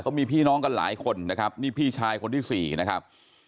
เขามีพี่น้องกันหลายคนนะครับนี่พี่ชายคนที่สี่นะครับ